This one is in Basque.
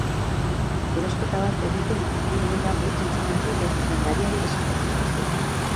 Erosketa bat egitean diru gehiago itzultzen badizute, dendariari esaten al diozu?